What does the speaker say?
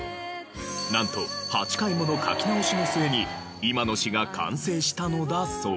なんと８回もの書き直しの末に今の詞が完成したのだそう。